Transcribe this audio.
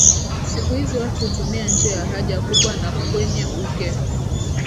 Siku hizi watu hutumia njia ya haja kubwa na kwenye uke